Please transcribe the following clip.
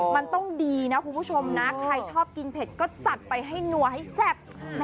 มันต้องดีนะคุณผู้ชมนะใครชอบกินเผ็ดก็จัดไปให้นัวให้แซ่บ